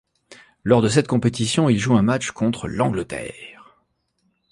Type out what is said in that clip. Lors de cette compétition, il joue un match contre l'Angleterre.